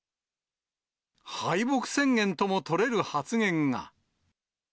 敗北宣言とも取れる発言が。